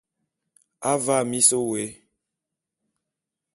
Avaa mis wôé.